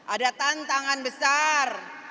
ada tantangan besar